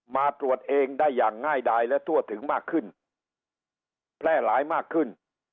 มาตรวจเองได้อย่างง่ายดายและทั่วถึงมากขึ้นแพร่หลายมากขึ้น